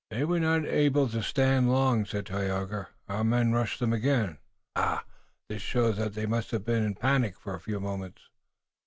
"They were not able to stand long," said Tayoga. "Our men rushed them again. Ah, this shows that they must have been in a panic for a few moments."